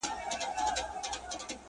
په نري تار مي تړلې یارانه ده.!